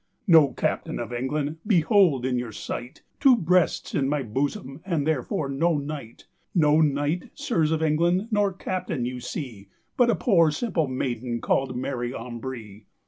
"No captaine of England; behold in your sight Two brests in my bosome, and therefore no knight: Noe knight, sirs, of England, nor captaine you see, But a poor simple mayden called Mary Ambree."